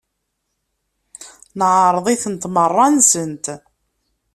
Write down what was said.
Neεreḍ-itent merra-nsent.